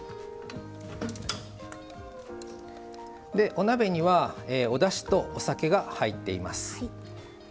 お鍋には、おだしとお酒が入っています。